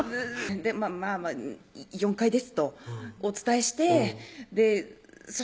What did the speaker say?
まぁまぁ「４階です」とお伝えしてそ